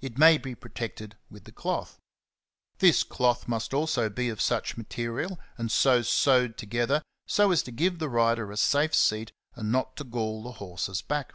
It may be protected with the cloth. This cloth ^^ must also be of such material and so sewed together as to give the rider a safe seat and not to gall the horse's back.